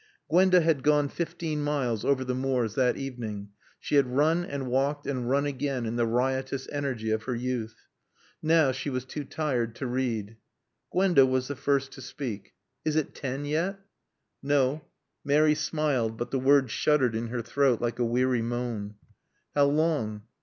Gwenda had gone fifteen miles over the moors that evening. She had run and walked and run again in the riotous energy of her youth. Now she was too tired to read. Gwenda was the first to speak. "Is it ten yet?" "No." Mary smiled, but the word shuddered in her throat like a weary moan. "How long?"